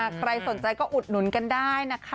ใครสนใจก็อุดหนุนกันได้นะคะ